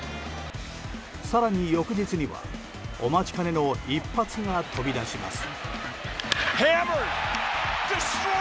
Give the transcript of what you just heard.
更に翌日には、お待ちかねの一発が飛び出します。